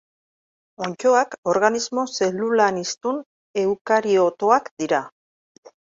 Onddoak organismo zelulaniztun eukariotoak dira.